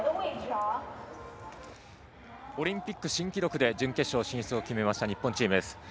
オリンピック新記録で準決勝進出を決めました日本チームです。